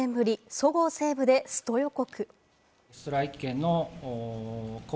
そごう・西武でスト予告。